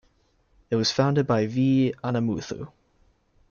It was founded by V. Anaimuthu.